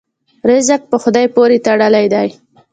رزق په خدای پورې تړلی دی.